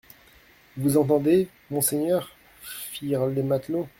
Vous entendez, monseigneur ? firent les matelots.